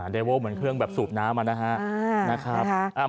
เดโว้เหมือนเครื่องแบบสูบน้ำนะครับ